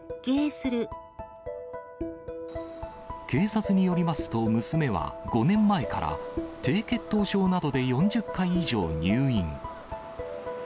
警察によりますと、娘は５年前から、低血糖症などで４０回以上入院。